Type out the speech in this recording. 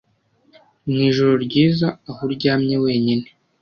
mwijoro ryiza aho uryamye wenyine